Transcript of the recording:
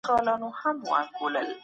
څېړونکی باید روڼ اندئ او ویښ شخصیت وي.